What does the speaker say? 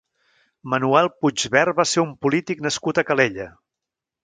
Manuel Puigvert va ser un polític nascut a Calella.